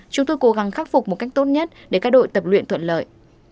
chúng tôi cố gắng khắc phục một cách tốt nhất để các đội tập luyện thuận lợi